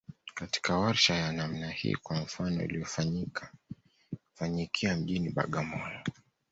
katika warsha ya namna hii kwa mfano iliyofanyikia mjini Bagamoyo